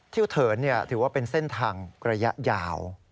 เถินถือว่าเป็นเส้นทางระยะยาว